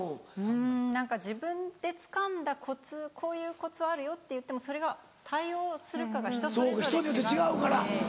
うん何か自分でつかんだコツこういうコツあるよと言ってもそれが対応するかが人それぞれ違うので。